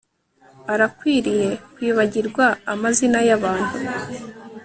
arakwiriye kwibagirwa amazina yabantu